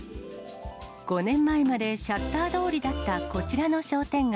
５年前までシャッター通りだったこちらの商店街。